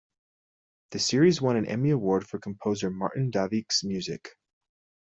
The series won an Emmy Award for composer Martin Davich's music.